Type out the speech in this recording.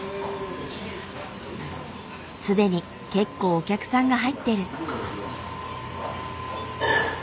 すでに結構お客さんが入ってる。